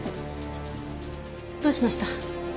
どうしました？